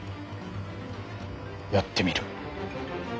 やってみる。